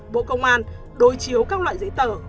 bộ công an đối chiếu các loại giấy tờ